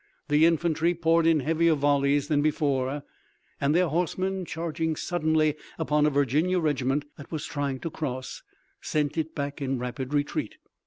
The infantry poured in heavier volleys than before and their horsemen, charging suddenly upon a Virginia regiment that was trying to cross, sent it back in rapid retreat.